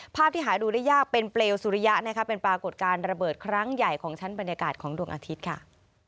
ภาพที่หาดูได้ยากเป็นเปลวสุริยะนะคะเป็นปรากฏการณ์ระเบิดครั้งใหญ่ของชั้นบรรยากาศของดวงอาทิตย์ค่ะ